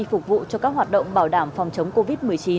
phục vụ cho các hoạt động bảo đảm phòng chống covid một mươi chín